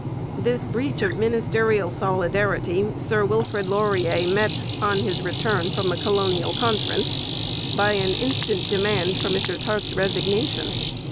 This breach of ministerial solidarity Sir Wilfrid Laurier met, on his return from the Colonial Conference, by an instant demand for Mr Tarte's resignation.